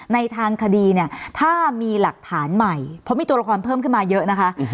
ในทางคดีเนี่ยถ้ามีหลักฐานใหม่เพราะมีตัวละครเพิ่มขึ้นมาเยอะนะคะ